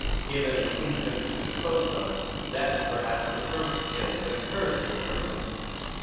Given an infant to dispose of, that is perhaps the first thing that occurs to a person.